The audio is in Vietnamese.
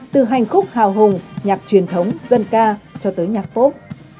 từ hành khúc hào hùng nhạc truyền thống dân ca cho tới nhạc phốp